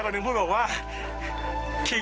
สวัสดีครับทุกคน